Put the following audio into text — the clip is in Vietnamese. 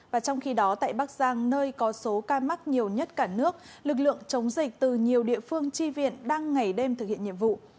và trong khi đó tại bắc giang nơi có số ca mắc nhiều nhất cả nước lực lượng chống dịch từ nhiều địa phương tri viện đang ngày đêm thực hiện nhiệm vụ